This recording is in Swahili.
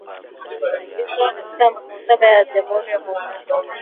izwa katika katiba ya jamhuri ya muungano